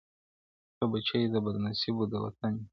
ته بچی د بد نصیبو د وطن یې-